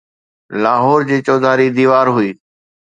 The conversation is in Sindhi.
لاهور جي چوڌاري ديوار هئي